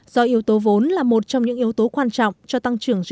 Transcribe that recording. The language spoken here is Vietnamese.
do yếu tố vốn là một trong những yếu tố quan trọng cho tăng trưởng gdp